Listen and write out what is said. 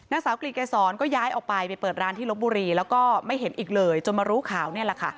นางสาวกลิ่นเกษรก็ย้ายออกไปไปเปิดร้านที่ลบบุรีแล้วก็ไม่เห็นอีกเลยจนมารู้ข่าวนี่แหละค่ะ